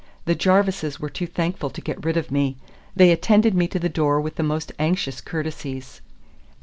The Jarvises were too thankful to get rid of me. They attended me to the door with the most anxious courtesies.